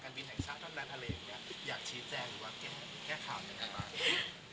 แค่ข่าวเหมือนกันบ้าง